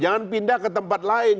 jangan pindah ke tempat lain